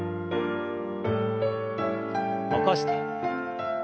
起こして。